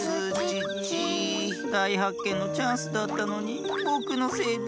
だいはっけんのチャンスだったのにぼくのせいで。